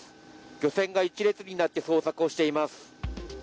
漁船が一列になって捜索しています。